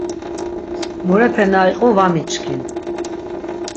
Murepe na iqu va miçkin.